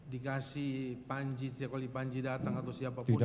dikasih siapa pun datang atau siapapun yang mau